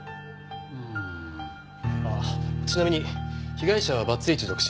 うーん？あっちなみに被害者はバツイチ独身。